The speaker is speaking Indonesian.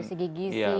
dari segi gizi ya